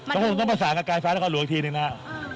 ก็คงต้องประสานกับกายฟ้านครหลวงอีกทีหนึ่งนะครับ